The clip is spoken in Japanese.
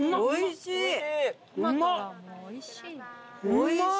おいしい！